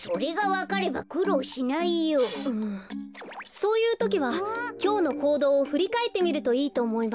そういうときはきょうのこうどうをふりかえってみるといいとおもいます。